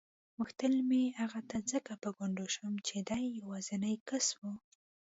غوښتل مې هغه ته ځکه په ګونډو شم چې دی یوازینی کس و.